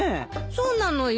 そうなのよ